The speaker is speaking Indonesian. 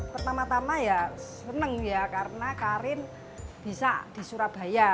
pertama tama ya seneng ya karena karin bisa di surabaya